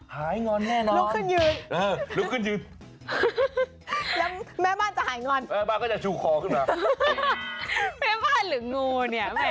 ให้ดูให้ดูเป็นไง